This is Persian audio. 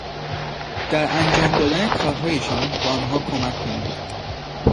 در انجام دادن کارهایشان به آنها کمک کنید.